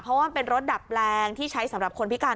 เพราะว่ามันเป็นรถดับแปลงที่ใช้สำหรับคนพิการ